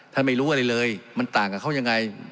ไม่รู้อะไรเลยมันต่างกับเขายังไง